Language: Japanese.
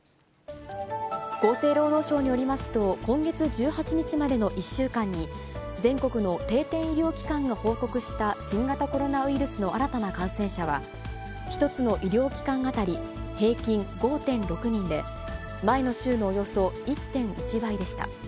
厚生労働省によりますと、今月１８日までの１週間に、全国の定点医療機関が報告した新型コロナウイルスの新たな感染者は、１つの医療機関当たり平均５．６人で、前の週のおよそ１．１倍でした。